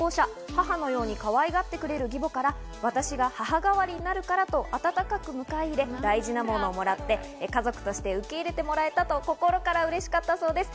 母のように、かわいがってくれる義母から、私が母代わりになるからと、温かく迎え入れられ、大事なものをもらって、家族として受け入れてもらえたと、心からうれしかったそうです。